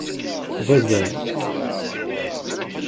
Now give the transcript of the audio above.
D azal.